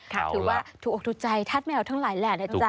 ถือว่าถูกอกถูกใจธาตุแมวทั้งหลายแหละนะจ๊ะ